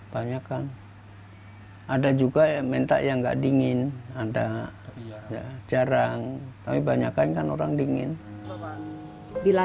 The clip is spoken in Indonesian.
banyakan ada juga yang minta yang nggak dingin anda jarang tapi banyak kan orang dingin bila